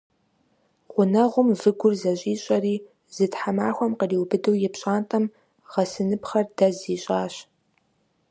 Гъунэгъум выгур зэщӀищӀэри зы тхьэмахуэм къриубыдэу и пщӀантӀэм гъэсыныпхъэр дэз ищӀащ.